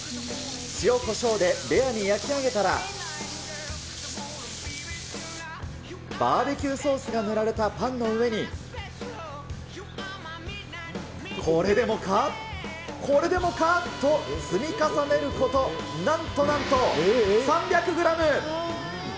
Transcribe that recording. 塩、こしょうでレアに焼き上げたら、バーベキューソースが塗られたパンの上に、これでもか、これでもかと、積み重ねることなんとなんと３００グラム。